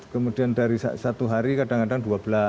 kemudian dari satu hari kadang kadang dua belas